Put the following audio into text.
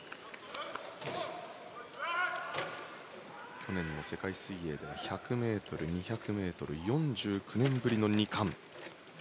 去年の世界水泳では１００ｍ、２００ｍ４９年ぶりの二冠。